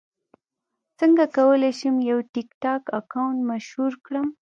څنګه کولی شم یو ټکټاک اکاونټ مشهور کړم